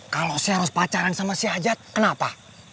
kalo si eros pacaran sama si ajad kenapa